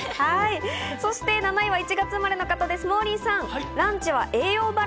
７位は１月生まれの方、モーリーさん。